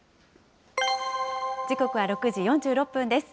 時刻は６時４６分です。